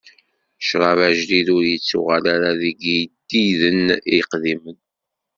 Ccṛab ajdid ur ittuɣal ara deg iyeddiden iqdimen.